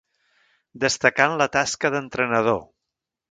Destacà en la tasca d'entrenador.